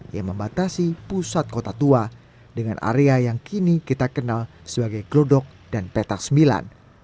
yang membatasi pusat kota tua dengan area yang kini kita kenal sebagai gelodok dan petak sembilan